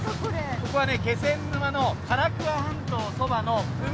ここは気仙沼の唐桑半島そばの海です。